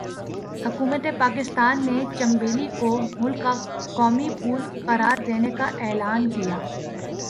حکومتِ پاکستان نے 'چنبیلی' کو ملک کا قومی پھول قرار دینے کا اعلان کیا۔